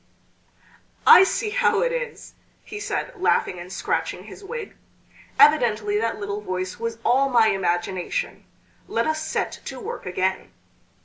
"I see how it is;" he said, laughing and scratching his wig; "evidently that little voice was all my imagination. Let us set to work again."